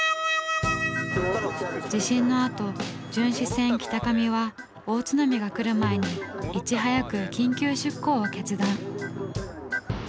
地震のあと巡視船きたかみは大津波が来る前にいち早く緊急出港を決断。